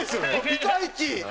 ピカイチ！